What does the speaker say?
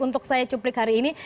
untuk saya cuplik hari ini